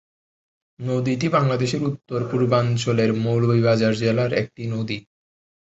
নদীটি বাংলাদেশের উত্তর-পূর্বাঞ্চলের মৌলভীবাজার জেলার একটি নদী।